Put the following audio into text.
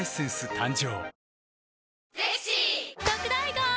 誕生